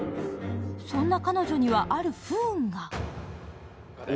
そんな彼女にはある不運が。